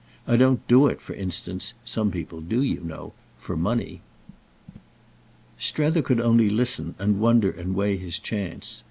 I don't do it, for instance—some people do, you know—for money." Strether could only listen and wonder and weigh his chance.